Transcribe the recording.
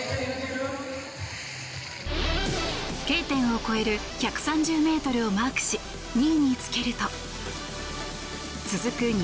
Ｋ点を越える１３０ｍをマークし２位につけると続く